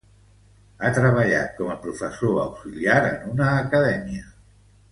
Ha treballat com a professor auxiliar en una acadèmia.